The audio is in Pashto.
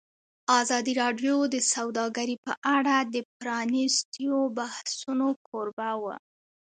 ازادي راډیو د سوداګري په اړه د پرانیستو بحثونو کوربه وه.